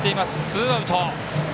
ツーアウト。